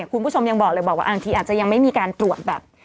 คุณผู้ชมยังบอกเลยบอกว่าบางทีอาจจะยังไม่มีการตรวจแบบ